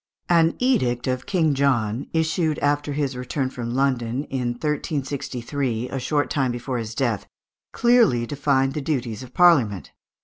An edict of King John, issued after his return from London in 1363, a short time before his death, clearly defined the duties of Parliament.